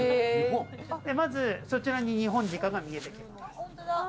まず、そちらにニホンジカが見えてきます。